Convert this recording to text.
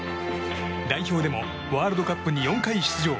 代表でもワールドカップに４回出場。